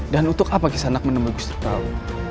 dan untuk apa kisanak menemui gusti prabu